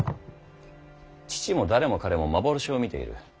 父も誰も彼も幻を見ている。